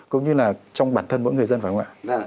cũng như là trong bản thân mỗi người dân phải không ạ